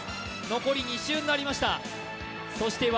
残り２周になりました。